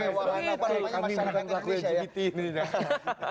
masyarakat indonesia ya